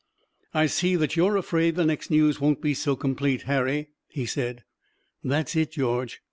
"I see that you're afraid the next news won't be so complete, Harry," he said. "That's it, George.